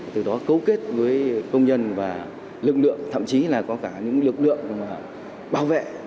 từ đó cấu kết với công nhân và lực lượng thậm chí là có cả những lực lượng bảo vệ